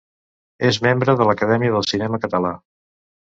És membre de l'Acadèmia del Cinema Català.